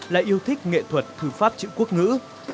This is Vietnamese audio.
là yêu thích nghệ thuật thư pháp chữ quốc ngữ